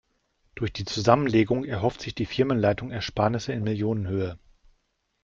Durch die Zusammenlegung erhofft sich die Firmenleitung Ersparnisse in Millionenhöhe.